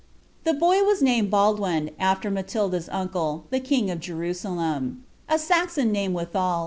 The boy was nanKat Baldn'in, afler Matdda's uncle, the king of Jerusalem; — a Saxon nUM wilhal.